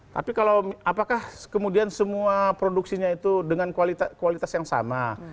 tapi kalau apakah kemudian semua produksinya itu dengan kualitas yang sama